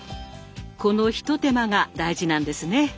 この一手間が大事なんですね。